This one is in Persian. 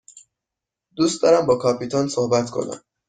دوست دارم با کاپیتان صحبت کنم.